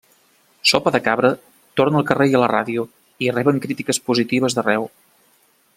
Sopa de Cabra torna al carrer i a la ràdio, i reben crítiques positives d'arreu.